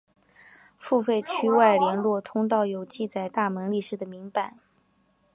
付费区外联络通道有记载大门历史的铭版。